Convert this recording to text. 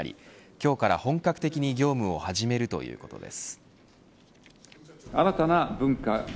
今日から本格的に業務を始めるということです。